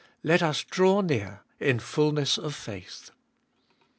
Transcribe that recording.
Let us draw near, In fulness of faith.